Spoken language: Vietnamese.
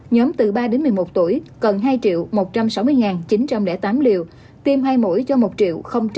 nhóm từ ba đến một mươi một tuổi cần hai một trăm sáu mươi chín trăm linh tám liều tiêm hai mũi cho một tám mươi bốn trăm năm mươi bốn trẻ